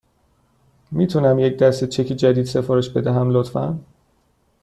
می تونم یک دسته چک جدید سفارش بدهم، لطفاً؟